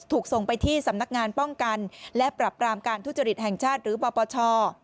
ถูกส่งไปที่สำนักงานป้องกันและปรับปรามการทุจริตแห่งชาติหรือปปช